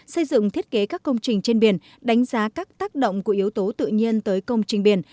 xây dựng thiết kế các công trình trên biển đánh giá các tác động của yếu tố tự nhiên tới công trình biển